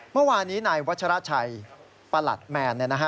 เมื่อวานนี้นายวัชราชัยประหลัดแมน